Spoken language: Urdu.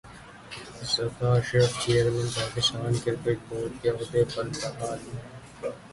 Zaka Ashraf chairman Pakistan cricket board کے عہدے پر بحال